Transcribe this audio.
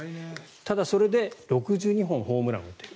ただ、それで６２本ホームランを打っている。